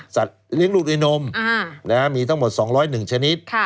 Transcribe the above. สัตว์เลี้ยงรูดไอ้นมมีทั้งหมด๒๐๑ชนิด